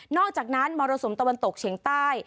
อกจากนั้นมรสุมตะวันตกเฉียงใต้